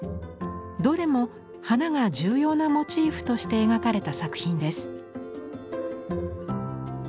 どれも花が重要なモチーフとして描かれた作品です。